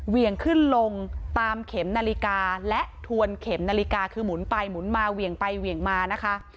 เหวี่ยงขึ้นลงตามเข็มนาฬิกาและทวนเข็มนาฬิกาคือหมุนไปหมุนมาเหวี่ยงไปเหวี่ยงมานะคะ